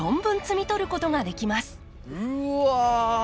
うわ！